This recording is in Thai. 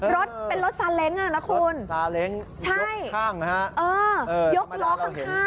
รถเป็นรถซาเล้งอ่ะนะคุณซาเล้งใช่ข้างนะฮะเออยกล้อข้าง